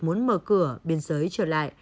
muốn mở cửa biên giới trở lại